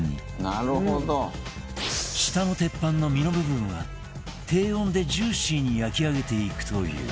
「なるほど」下の鉄板の身の部分は低温でジューシーに焼き上げていくという